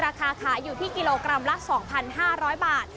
ราคาขายอยู่ที่กิโลกรัมละ๒๕๐๐บาท